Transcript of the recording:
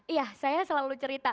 iya saya selalu cerita